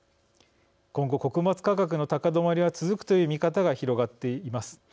今後、穀物価格の高止まりは続くという見方が広がっています。